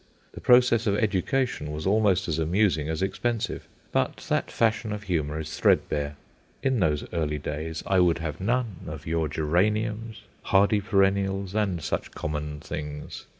The process of education was almost as amusing as expensive; but that fashion of humour is threadbare. In those early days I would have none of your geraniums, hardy perennials, and such common things.